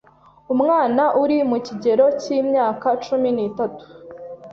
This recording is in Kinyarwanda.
Umwana uri mu kigero cy’imyaka cumi nitatu